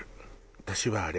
私はあれ。